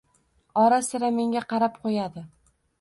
Ora-sira menga qarab qo'yadi.